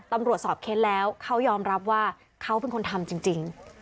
ตำรวจสอบเค้นแล้วเขายอมรับว่าเขาเป็นคนทำจริง